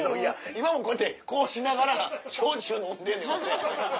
今もこうやってこうしながら焼酎飲んでんねんこうやって。